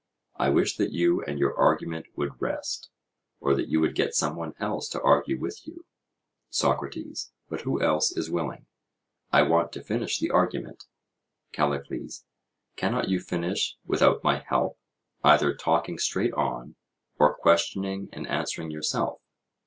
I wish that you and your argument would rest, or that you would get some one else to argue with you. SOCRATES: But who else is willing?—I want to finish the argument. CALLICLES: Cannot you finish without my help, either talking straight on, or questioning and answering yourself?